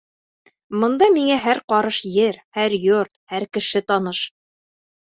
Бында миңә һәр ҡарыш ер, һәр йорт, һәр кеше таныш.